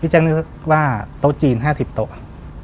แจ๊คนึกว่าโต๊ะจีน๕๐โต๊ะ